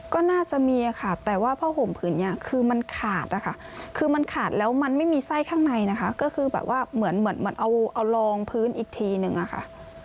ก็น่าจะมีค่ะแต่ว่าผ้าห่มผืนนี้คือมันขาดนะคะคือมันขาดแล้วมันไม่มีไส้ข้างในนะคะก็คือแบบว่าเหมือนเหมือนเอารองพื้นอีกทีหนึ่งอะค่ะ